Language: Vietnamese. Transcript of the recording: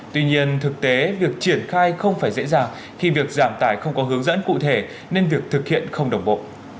tuy nhiên thực tế việc triển khai không phải dễ dàng khi việc giảm tải không có hướng dẫn cụ thể nên việc thực hiện không đồng bộ